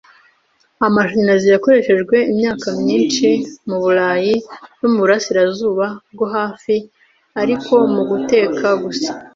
Amashanyarazi yakoreshejwe imyaka myinshi muburayi no muburasirazuba bwo hafi, ariko muguteka gusa.